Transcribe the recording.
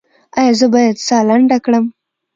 ایا زه باید ساه لنډه کړم؟